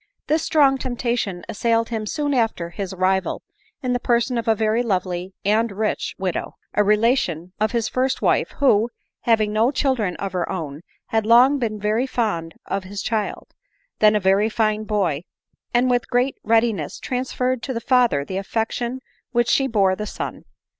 This strong temptation assailed him soon after his arri val, in the person of a very lovely and rich widow, a relation of his first wife, who, having no children of her 21 ^■4., ft 238 ADELINE MOWBRAY. own, had long been very fond of bis child, then a very fine boy, and with great readiness transferred to the father the affection which she bore the son.